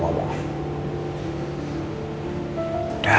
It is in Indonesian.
ini ibu tiana